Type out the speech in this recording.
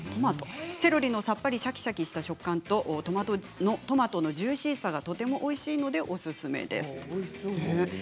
セロリのさっぱりとしたシャキシャキの食感とトマトのジューシーさがとてもおいしいのでおすすめです。